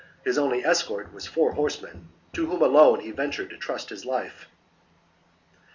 His only escort was four horsemen, to whom alone he ventured to trust his life. 44.